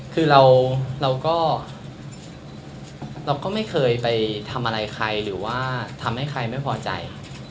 คือเราก็เราก็ไม่เคยไปทำอะไรใครหรือว่าทำให้ใครไม่พอใจ